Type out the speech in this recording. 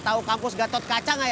tau kampus kacot kaca am tenth